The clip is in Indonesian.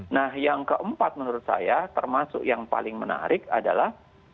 nah yang keempat menurut saya termasuk yang paling menarik adalah